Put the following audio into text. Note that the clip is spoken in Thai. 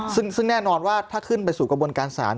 ซึ่งแน่นอนว่าถ้าขึ้นไปสู่กระบวนการศาล